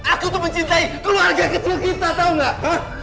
aku tuh mencintai keluarga kecil kita tau gak